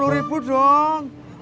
dua puluh ribu dong